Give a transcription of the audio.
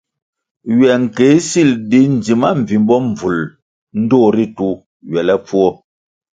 Ywe nkéh sil di ndzima mbvimbo mbvul ndtoh ritu ywelepfuo.